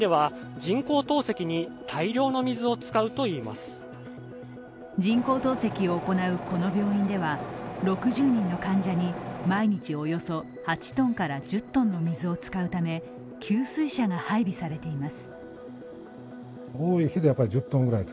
人工透析を行うこの病院では６０人の患者に毎日およそ８ｔから１０ｔの水を使うため給水車が配備されています。